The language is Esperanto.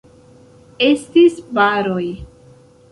Estis baroj.